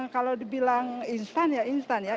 kalau dibilang instan ya instan ya